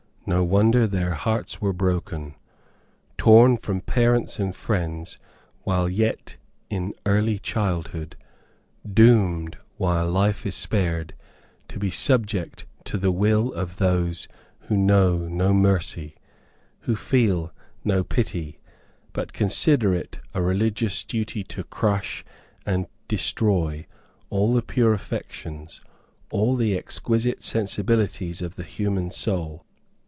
No wonder their hearts were broken. Torn from parents and friends while yet in early childhood doomed while life is spared, to be subject to the will of those who know no mercy who feel no pity, but consider it a religious duty to crush, and destroy all the pure affections all the exquisite sensibilities of the human soul.